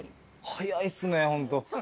早いっすねホント。